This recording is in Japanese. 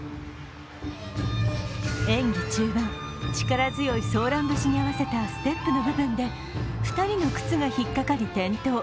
演技中盤、力強い「ソーラン節」に合わせたステップの部分で２人の靴が引っかかり、転倒。